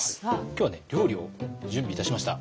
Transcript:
今日はね料理を準備いたしました。